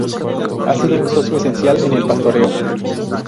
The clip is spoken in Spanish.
Ha sido un socio esencial en el pastoreo.